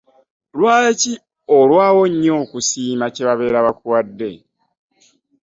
Lwaki olwawo nnyo okusiima kyebabeera bakuwade?